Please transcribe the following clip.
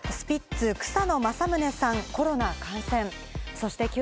スピッツ・草野マサムネさん、コロナ感染。